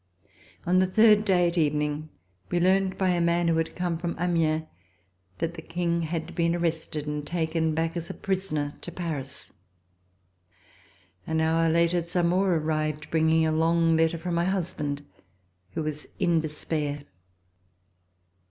On the third day, at evening, we learned by a man who had come from Amiens that the King had been ar rested and taken back as a prisoner to Paris. An hour later Zamore arrived bringing a long letter from my husband, who was in despair.